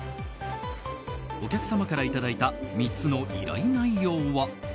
お客様からいただいた３つの依頼内容は。